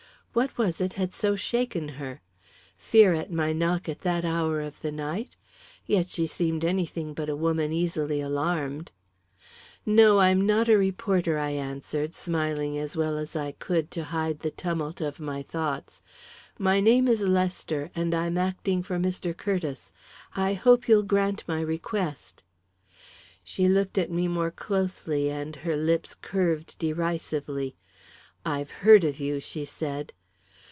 What was it had so shaken her? Fear at my knock at that hour of the night? Yet she seemed anything but a woman easily alarmed. "No, I'm not a reporter," I answered, smiling as well as I could to hide the tumult of my thoughts. "My name is Lester, and I'm acting for Mr. Curtiss. I hope you'll grant my request." She looked at me more closely, and her lips curved derisively. "I've heard of you," she said.